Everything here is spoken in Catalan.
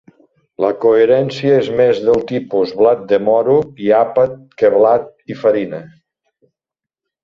La coherència és més del tipus blat de moro i àpat que blat i farina.